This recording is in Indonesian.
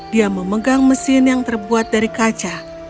dia memegang mesin yang terbuat dari kaca